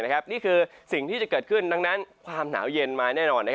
นี่คือสิ่งที่จะเกิดขึ้นดังนั้นความหนาวเย็นมาแน่นอน